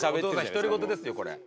独り言ですよこれ。